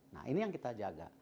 nah ini yang kita jaga